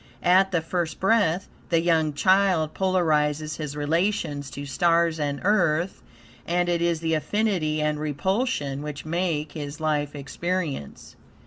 At the first breath, the young child polarizes his relations to stars and earth, and it is the affinity and repulsion which make his life experience.